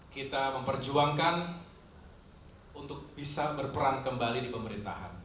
kita memperjuangkan untuk bisa berperan kembali di pemerintahan